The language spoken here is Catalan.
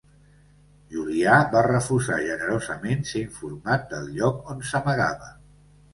Julià va refusar generosament ser informat del lloc on s'amagava.